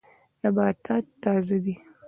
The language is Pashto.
نباتات تازه دي.